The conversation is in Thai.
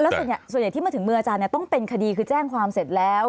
ส่วนใหญ่ที่มาถึงมืออาจารย์ต้องเป็นคดีคือแจ้งความเสร็จแล้ว